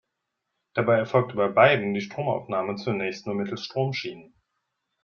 Dabei erfolgte bei beiden die Stromaufnahme zunächst nur mittels Stromschienen.